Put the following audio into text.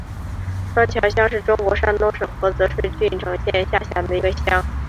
双桥乡是中国山东省菏泽市郓城县下辖的一个乡。